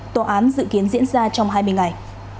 tòa án dự kiến diễn ra trong hai mươi ngày